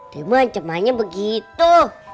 teman cumannya begitu